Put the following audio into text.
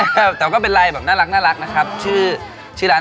เขายังเหย่งแบบว่าเป็นนักธุรกิจหนุ่มไฟแรง